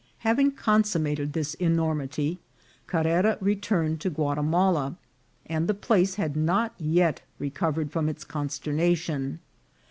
Having consummated this enormity, Carrera returned to Guatimala, and the place had not yet recovered from its consternation.